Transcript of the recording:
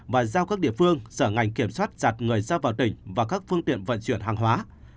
và giao các địa phương sở ngành kiểm soát chặt người ra vào tỉnh và các phương tiện vận chuyển hàng hóa